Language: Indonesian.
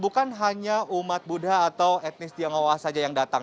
bukan hanya umat buddha atau etnis tionghoa saja yang datang